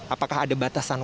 apakah ada batasan